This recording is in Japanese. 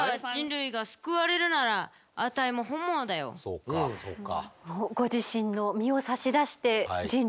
そうかそうか。